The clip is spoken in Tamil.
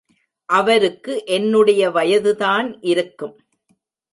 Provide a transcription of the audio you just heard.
அவருக்கு என்னுடைய வயதுதான் இருக்கும்.